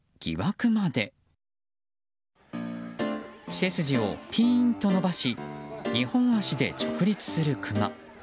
背筋をピーンと伸ばし２本足で直立するクマ。